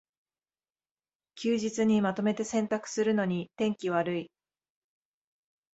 休日にまとめて洗濯するのに天気悪い